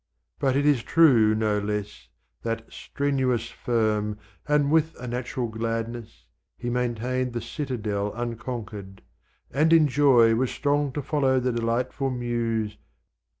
But it is true, no less, that strenuous, firm, And with a natural gladness, he maintained The citadel unconquered, and in joy Was strong to follow the delightful Muse.